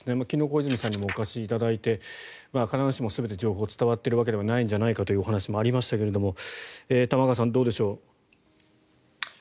昨日、小泉さんにもお越しいただいて必ずしも全て情報が伝わっているわけではないんじゃないかというお話もありましたが玉川さん、どうでしょう。